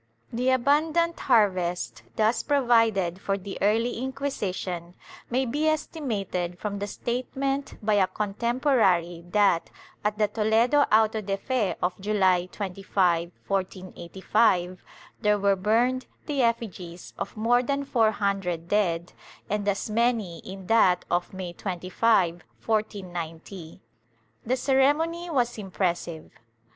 '* The abundant harvest thus provided for the early Inquisition may be estimated from the statement by a contemporary that, at the Toledo auto de fe of July 25, 1485, there were burned the effigies of more than four hundred dead and as many in that of May 25, 1490. The ceremony was impressive.